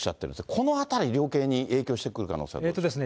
このあたり、量刑に影響してくる可能性はどうでしょうか。